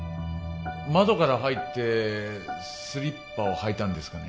窓から入ってスリッパを履いたんですかね？